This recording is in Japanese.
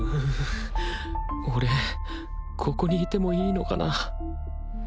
俺ここにいてもいいのかな